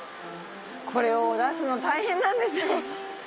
これを出すの大変なんですよ。